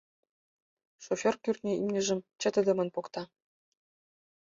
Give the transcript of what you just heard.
Шофёр кӱртньӧ имньыжым чытыдымын покта.